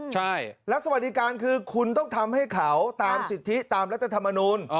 ใช่แล้วสวัสดิการคือคุณต้องทำให้เขาตามสิทธิตามรัฐธรรมนูล